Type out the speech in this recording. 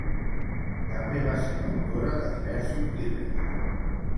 També va ser l'autora de diversos llibres.